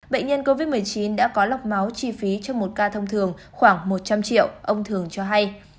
bệnh nhân covid một mươi chín đã có lọc máu chi phí cho một ca thông thường khoảng một trăm linh triệu ông thường cho hay